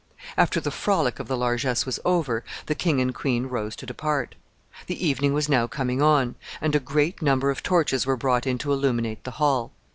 After the frolic of the largesse was over, the king and queen rose to depart. The evening was now coming on, and a great number of torches were brought in to illuminate the hall.